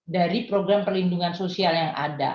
dari program perlindungan sosial yang ada